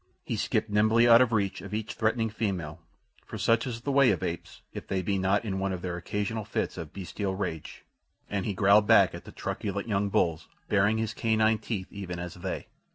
He skipped nimbly out of reach of each threatening female—for such is the way of apes, if they be not in one of their occasional fits of bestial rage—and he growled back at the truculent young bulls, baring his canine teeth even as they.